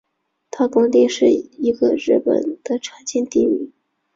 大工町是一个日本的常见地名。